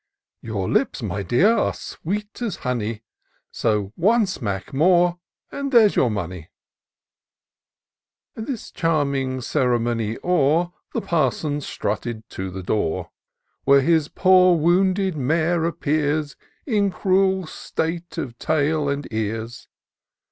" Your lips, my dear, are sweet as honey : So one smack more — and there's your money." This charming ceremony o'er, The Parson strutted to the door ; IN SEARCH OF THE PICTURESQUE. 37 Where his poor wounded mare appears^ In cruel state of tail and ears.